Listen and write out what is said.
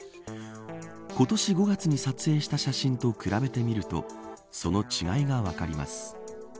今年５月に撮影した写真と比べてみるとその違いが分かります。